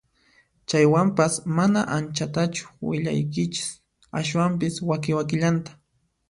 Chaywanpas mana anchatachu willaykichis ashwampis waki wakillanta